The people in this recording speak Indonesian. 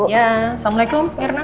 iya assalamualaikum mirna